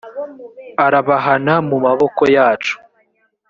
arabahana mu maboko yacu